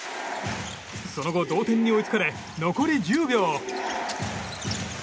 その後、同点に追いつかれ残り１０秒。